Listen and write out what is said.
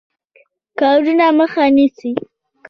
کارونو مخه نیسي.